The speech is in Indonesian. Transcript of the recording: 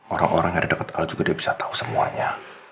orang orang yang ada dekat hal juga dia bisa tahu semuanya